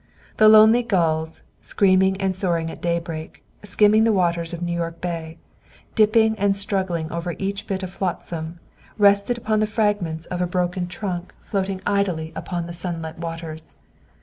The lonely gulls, screaming and soaring at daybreak, skimming the waters of New York Bay, dipping and struggling over each bit of flotsam, rested upon the fragments of a broken trunk floating idly along upon the sunlit waters.